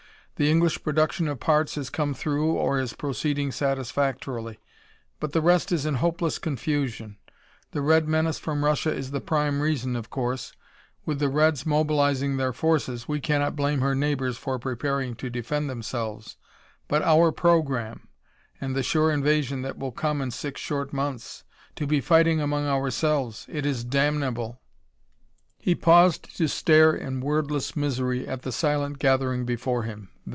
The English production of parts has come through, or is proceeding satisfactorily, but the rest is in hopeless confusion. The Red menace from Russia is the prime reason, of course. With the Reds mobilizing their forces, we cannot blame her neighbors for preparing to defend themselves. But our program! and the sure invasion that will come in six short months! to be fighting among ourselves it is damnable!" He paused to stare in wordless misery at the silent gathering before him.